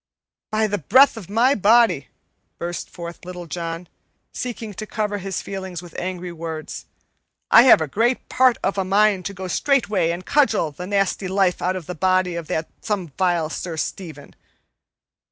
"By the breath of my body," burst forth Little John, seeking to cover his feelings with angry words, "I have a great part of a mind to go straightway and cudgel the nasty life out of the body of that same vile Sir Stephen.